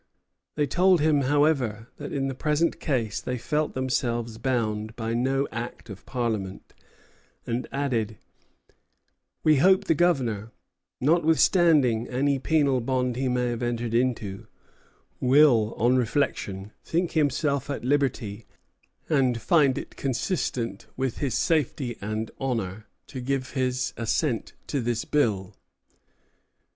They told him, however, that in the present case they felt themselves bound by no Act of Parliament, and added: "We hope the Governor, notwithstanding any penal bond he may have entered into, will on reflection think himself at liberty and find it consistent with his safety and honor to give his assent to this bill."